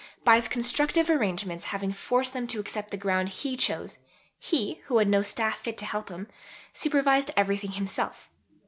By his constructive arrangements, having forced them to accept the ground he chose, he, who had no staff fit to help him, supervised everything himself.